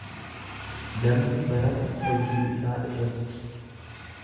Namni barata hojii isaa irratti.